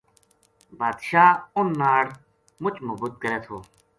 بادشاہ اُنھ ناڑ مچ محبت کرے تھو